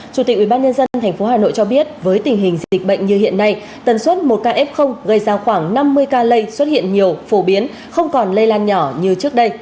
chủ tịch ubnd tp hà nội cho biết với tình hình dịch bệnh như hiện nay tần suất một k gây ra khoảng năm mươi ca lây xuất hiện nhiều phổ biến không còn lây lan nhỏ như trước đây